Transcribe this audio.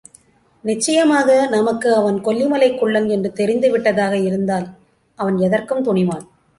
நிச்சயமாக நமக்கு அவன் கொல்லிமலைக் குள்ளன் என்று தெரிந்துவிட்டதாக இருந்தால் அவன் எதற்கும் துணிவான்!